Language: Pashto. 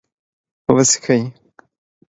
.وڅښئ